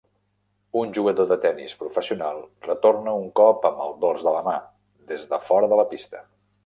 Un jugador de tenis professional retorna un cop amb el dors de la mà des de fora de la pista.